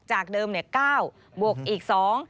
จากเดิมเนี่ย๙บวกอีก๒